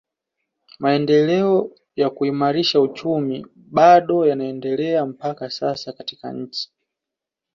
Maendeleo ya kuimarisha uchumi bado yanaendelea mpaka sasa katika nchi